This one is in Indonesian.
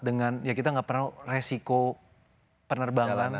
dengan ya kita nggak pernah resiko penerbangan